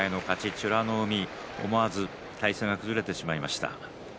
美ノ海思わず体勢が崩れてしまいました。